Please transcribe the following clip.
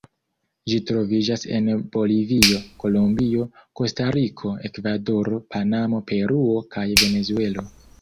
Ĝi troviĝas en Bolivio, Kolombio, Kostariko, Ekvadoro, Panamo, Peruo kaj Venezuelo.